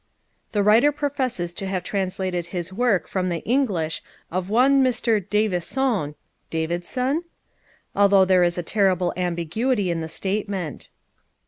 The writer professes to have translated his work from the English of one Mr. D'Avisson (Davidson?) although there is a terrible ambiguity in the statement.